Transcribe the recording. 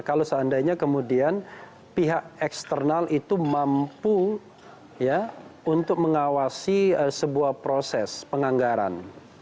kalau seandainya kemudian pihak eksternal itu mampu untuk mengawasi sebuah proses penganggaran